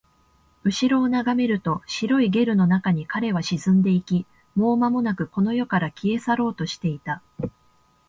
後ろを眺めると、白いゲルの中に彼は沈んでいき、もうまもなくこの世から消え去ろうとしていた